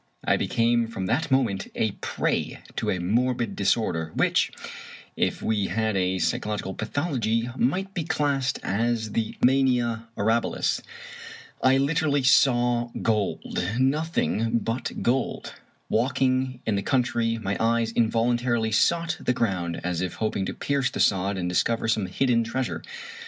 I became from that moment a prey to a morbid disorder, which, if we had a psychological pathology, might be classed as the mania aurahilis. I literally saw gold — nothing but gold. Walking in the country my eyes involuntarily sought the ground, as if hoping to pierce the sod and discover some hidden treasure.